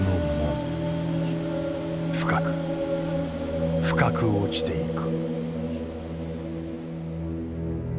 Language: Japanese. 深く深く落ちていく。